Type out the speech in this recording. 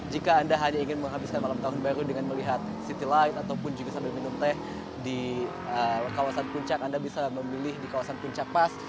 jika anda hanya ingin menghabiskan malam tahun baru dengan melihat city light ataupun juga sambil minum teh di kawasan puncak anda bisa memilih di kawasan puncak pas